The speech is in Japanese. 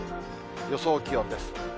予想気温です。